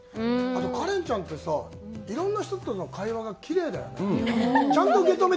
あと花恋ちゃんってさ、いろんな人との会話がきれいだよね。